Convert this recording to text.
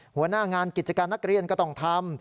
หัวหน้างานกิจการนักเรียนก็ต้องทำ